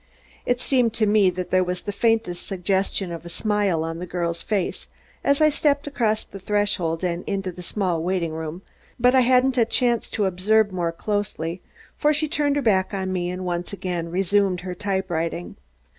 It seemed to me there was the faintest suggestion of a smile on the girl's face as I stepped across the threshold into the small waiting room, but I hadn't a chance to observe more closely, for she turned her back on me at once and immediately resumed her typewriting.